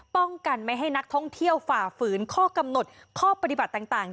ป้องกันไม่ให้นักท่องเที่ยวฝ่าฝืนข้อกำหนดข้อปฏิบัติต่าง